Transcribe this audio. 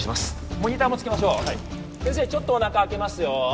モニターもつけましょうはい先生ちょっとおなか開けますよ